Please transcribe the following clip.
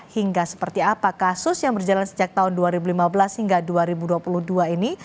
hingga seperti apa kasus yang berjalan sejak tahun dua ribu lima belas hingga dua ribu dua puluh dua ini